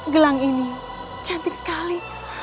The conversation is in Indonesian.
gelang ini cantik sekali